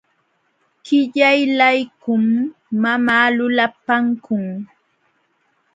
Qillaylaykum mamaa lulapankun.